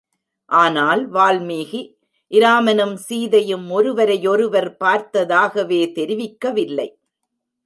ஆனால் வால்மீகி, இராமனும் சீதையும் ஒருவரையொருவர் பார்த்ததாகவே தெரிவிக்கவில்லை.